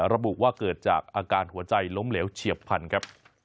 ระบุว่าเกิดจากอาการหัวใจล้มเหลวเฉียบพันธุ์ครับ